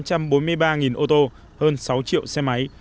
có hơn tám trăm bốn mươi ba ô tô hơn sáu triệu xe máy